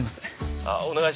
「あっお願いします」